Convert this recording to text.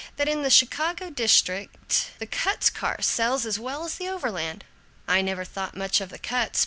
that in the Chicago district the Kutz Kar sells as well as the Overland? I never thought much of the Kutz.